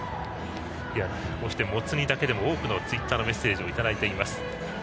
こうして、もつ煮だけでも多くのツイッターのメッセージをいただいています。